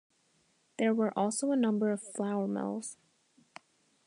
There were also a number of flour mills.